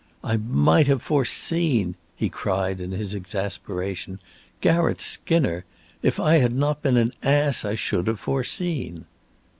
"I might have foreseen," he cried in his exasperation. "Garratt Skinner! If I had not been an ass, I should have foreseen."